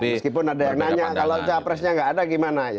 meskipun ada yang nanya kalau capresnya nggak ada gimana